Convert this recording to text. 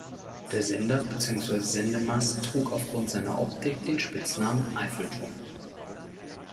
Der Sender beziehungsweise Sendemast trug auf Grund seiner Optik den Spitznamen „Eiffelturm“.